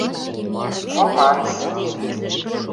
РОМАНС